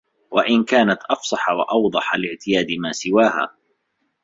وَإِنْ كَانَتْ أَفْصَحَ وَأَوْضَحَ لِاعْتِيَادِ مَا سِوَاهَا